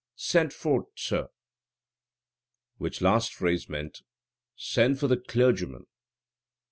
Send for't sir." Which last phrase means, "Send for the clergyman."